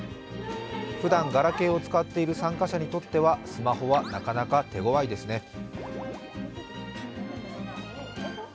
ふだんガラケーを使っている参加者にとってはスマホはなかなか手強いですね。